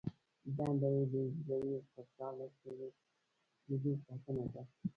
دنده یې د حجروي غشا له څیرې کیدو ساتنه ده.